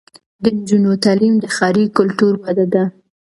د نجونو تعلیم د ښاري کلتور وده ده.